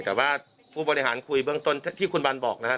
แต่ว่าผู้บริหารคุยเบื้องต้นที่คุณบันบอกนะครับ